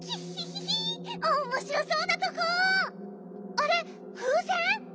あれふうせん？